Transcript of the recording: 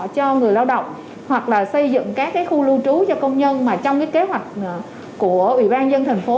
cho người lao động hoặc là xây dựng các khu lưu trú cho công nhân mà trong cái kế hoạch của ủy ban dân thành phố